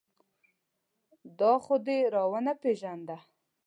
دا خو دې را و نه پېژانده.